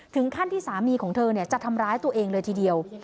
ถึงขั้นที่สามีของเธอจะทำร้ายตัวเองเลยทีเดียว